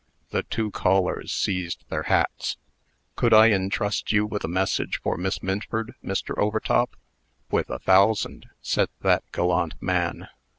The two callers seized their hats. "Could I intrust you with a message for Miss Minford, Mr. Overtop?" "With a thousand," said that gallant man.